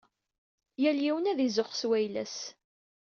Yal yiwen ad izuxx s wayla-s.